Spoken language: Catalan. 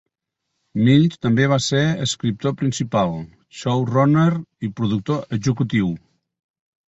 Mills també va ser escriptor principal, showrunner i productor executiu.